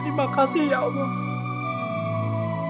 terima kasih ya allah